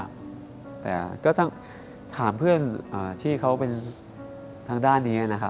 บ๊วยบ๊วยแต่ก็ถ้าถามเพื่อนที่เขาเป็นทางด้านนี้นะครับ